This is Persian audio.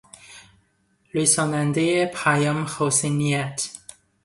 رسانندهی پیام حسن نیت